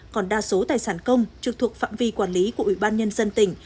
còn đa số tài sản công trực thuộc phạm vi quản lý của ủy ban nhân dân tỉnh